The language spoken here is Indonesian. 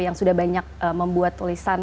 yang sudah banyak membuat tulisan